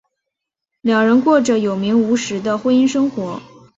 两人过着有名无实的婚姻生活。